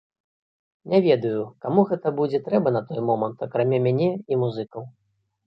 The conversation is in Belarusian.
Не ведаю, каму гэта будзе трэба на той момант, акрамя мяне і музыкаў.